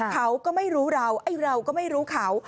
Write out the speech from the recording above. เขาก็ไม่รู้เราไอ้เราก็ไม่รู้เขา